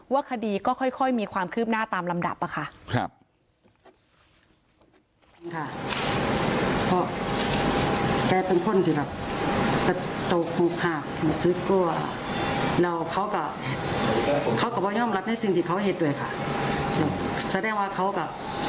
ว่าคดีก็ค่อยมีความครืบหน้าตามลำรำดับอะค่ะ